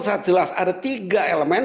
sangat jelas ada tiga elemen